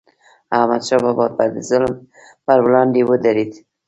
احمدشاه بابا به د ظلم پر وړاندې ودرید.